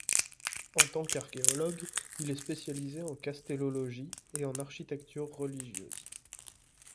En tant qu'archéologue, il est spécialisé en castellologie et en architecture religieuse.